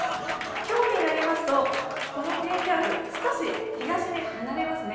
今日になりますとこの低気圧、少し東に離れますね。